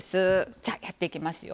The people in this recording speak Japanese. じゃやっていきますよ。